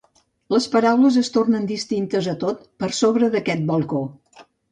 Les paraules es tornen distintes a tot per sobre d'aquest balcó.